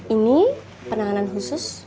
ini penanganan khusus